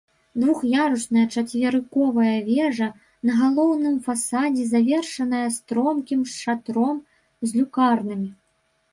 Двух'ярусная чацверыковая вежа на галоўным фасадзе завершаная стромкім шатром з люкарнамі.